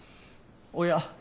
おや？